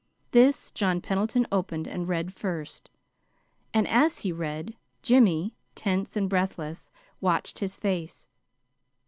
This John Pendleton opened and read first. And as he read, Jimmy, tense and breathless, watched his face.